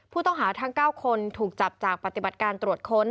ผู้ต้องหาทั้ง๙คนถูกจับจากปฏิบัติการตรวจค้น